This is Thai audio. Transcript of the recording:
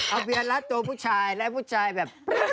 เอาเบียนรัดตัวผู้ชายและผู้ชายแบบ